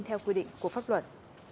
theo quy định của pháp luật